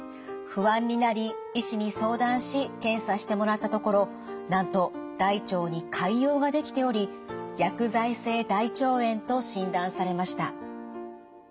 不安になり医師に相談し検査してもらったところなんと大腸に潰瘍が出来ており薬剤性大腸炎と診断されました。